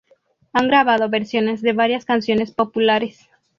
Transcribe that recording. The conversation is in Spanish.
Han grabado versiones de varias canciones populares.